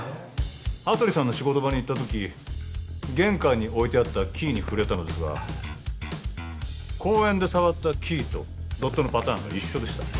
羽鳥さんの仕事場に行った時玄関に置いてあったキーに触れたのですが公園で触ったキーとドットのパターンが一緒でした